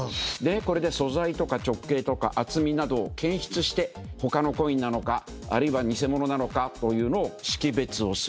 これで素材とか直径とか厚みなどを検出して他のコインなのかあるいは偽物なのかというのを識別をすると。